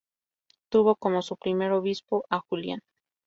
Tuvo como su primer obispo a Julián.